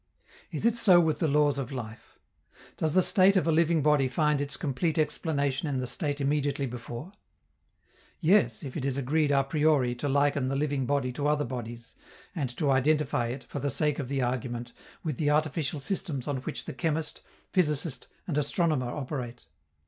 Is it so with the laws of life? Does the state of a living body find its complete explanation in the state immediately before? Yes, if it is agreed a priori to liken the living body to other bodies, and to identify it, for the sake of the argument, with the artificial systems on which the chemist, physicist, and astronomer operate.